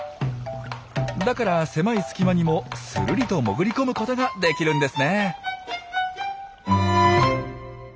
だから狭い隙間にもするりと潜り込むことができるんですね。